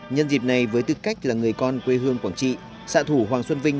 nhân dịp này với tư cách là người con quê hương quảng trị xã thủ hoàng xuân vinh